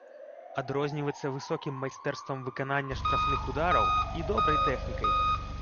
Адрозніваецца высокім майстэрствам выканання штрафных удараў і добрай тэхнікай.